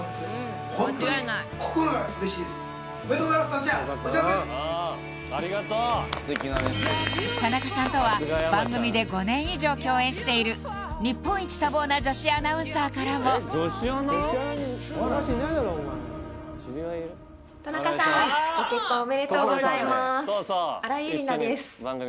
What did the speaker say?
たなちゃん田中さんとは番組で５年以上共演している日本一多忙な女子アナウンサーからも田中さんご結婚おめでとうございます新井恵理那です